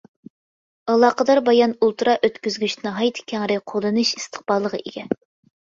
ئالاقىدار بايان ئۇلترا ئۆتكۈزگۈچ ناھايىتى كەڭرى قوللىنىش ئىستىقبالىغا ئىگە.